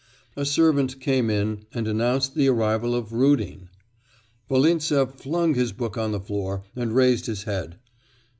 A servant came in and announced the arrival of Rudin. Volintsev flung his book on the floor, and raised his head.